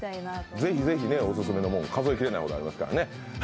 ぜひぜひ、オススメのもの、数えきれないほどありますからね。